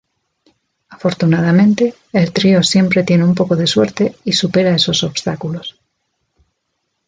Afortunadamente, el trío siempre tiene un poco de suerte y supera esos obstáculos.